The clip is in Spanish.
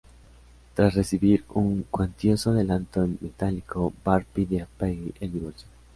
Tras recibir un cuantioso adelanto en metálico, Bart pide a Peggy el divorcio.